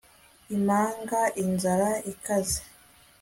Imanga inzara ikaze